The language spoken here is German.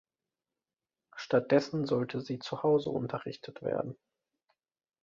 Stattdessen sollte sie zuhause unterrichtet werden.